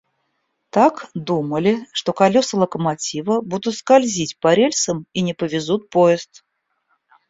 Так, думали, что колеса локомотива будут скользить по рельсам и не повезут поезд.